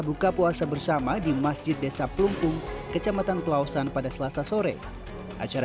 buka puasa bersama di masjid desa pelumpung kecamatan pelausan pada selasa sore acara